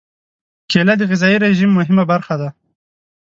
کېله د غذايي رژیم مهمه برخه ده.